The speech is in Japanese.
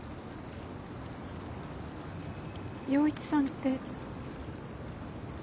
陽一さんって。